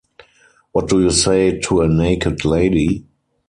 What Do You Say to a Naked Lady?